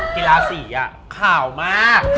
กีฬาสีขาวมาก